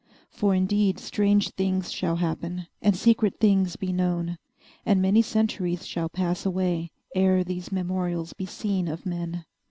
For indeed strange things shall happen, and secret things be known, and many centuries shall pass away, ere these memorials be seen of men.